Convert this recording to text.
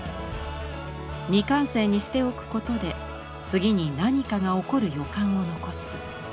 未完成にしておくことで次に何かが起こる予感を残す。